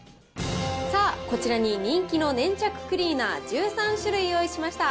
さあ、こちらに人気の粘着クリーナー１３種類用意しました。